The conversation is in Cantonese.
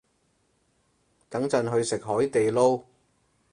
等陣去食海地撈